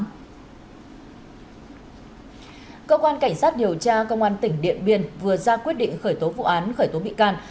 cơ quan cảnh sát điều tra công an tỉnh điện biên vừa ra quyết định khởi tố vụ án khởi tố bị can